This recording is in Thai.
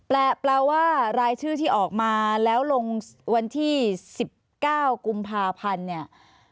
แปลว่ารายชื่อที่ออกมาแล้วลงวันที่๑๙กุมภาพันธ์เนี่ย